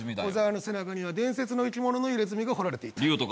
小沢の背中には伝説の生き物の入れ墨が彫られている。